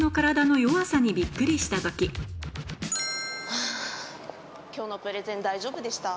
はぁ今日のプレゼン大丈夫でした？